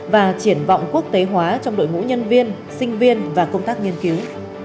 và triển vọng quốc tế hóa trong đội ngũ nhân viên sinh viên và công tác nghiên cứu